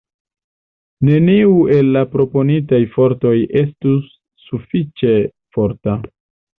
Neniu el la proponitaj fortoj estus sufiĉe forta.